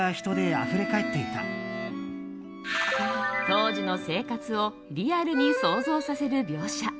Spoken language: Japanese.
当時の生活をリアルに想像させる描写。